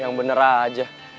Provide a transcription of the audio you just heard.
yang bener aja